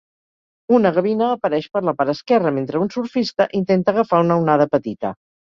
Una gavina apareix per la part esquerra mentre un surfista intenta agafar una onada petita.